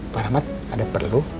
pak rahmat ada perlu